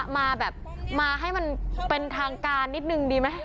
มาแบบมาให้มันเป็นทางการนิดนึงดีไหม